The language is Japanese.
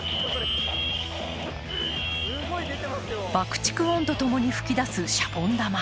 爆竹音とともに吹き出すシャボン玉。